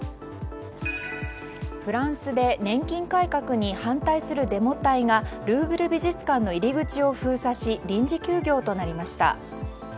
フランスで年金改革に反対すデモ隊がルーブル美術館の入り口を封鎖し臨時休業となりました。